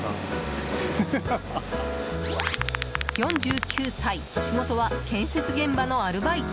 ４９歳、仕事は建設現場のアルバイト。